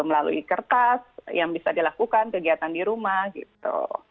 melalui kertas yang bisa dilakukan kegiatan di rumah gitu